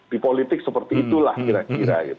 di politik seperti itulah kira kira